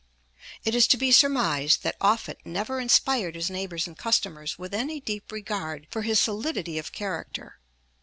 It is to be surmised that Offutt never inspired his neighbors and customers with any deep regard for his solidity of character.